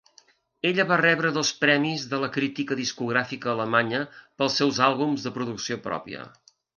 Ella va rebre dos premis de la Crítica discogràfica alemanya pels seus àlbums de producció pròpia.